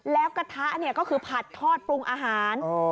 แล้วกระทะเนี่ยก็คือผัดทอดปรุงอาหาร